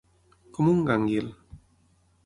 Com un gànguil.